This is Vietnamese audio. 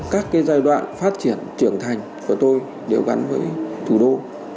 các giai đoạn phát triển trưởng thành của tôi đều gắn với thủ đô